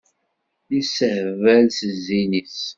Yessehbal s zzin-is.